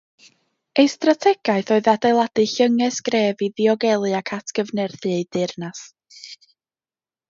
Ei strategaeth oedd adeiladu llynges gref i ddiogelu ac atgyfnerthu ei deyrnas.